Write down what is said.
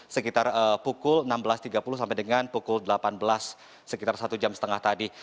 sekitar pukul enam belas tiga puluh sampai dengan pukul delapan belas sekitar satu jam setengah tadi